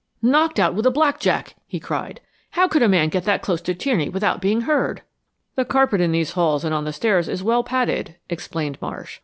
"Knocked out with a black jack!" he cried. "How could a man get that close to Tierney without being heard!" "The carpet in these halls and on the stairs is well padded," explained Marsh.